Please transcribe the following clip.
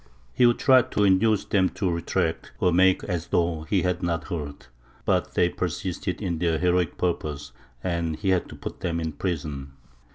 He would try to induce them to retract, or make as though he had not heard. But they persisted in their heroic purpose, and he had to put them in prison.